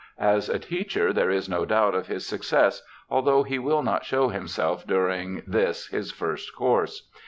As a teacher there is no doubt of his success, although he will not show himself during this his first course.